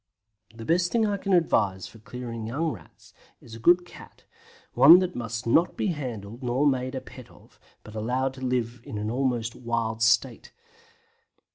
The best thing I can advise for clearing young Rats is a good cat, one that must not be handled nor made a pet of, but allowed to live in almost a wild state.